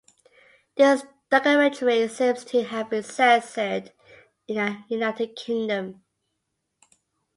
This documentary seems to have been censored in the United Kingdom.